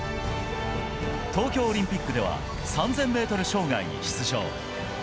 東京オリンピックでは３０００ｍ障害に出場。